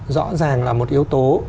rõ ràng là một yếu tố